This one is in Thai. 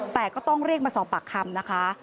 แต่ก็ต้องเรียกมาสอบปากคำนะคะ